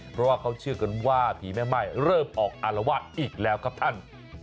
เพราะว่าเขาเชื่อกันว่าผีแม่ไม้เริ่มออกอารวาสอีกแล้วครับท่าน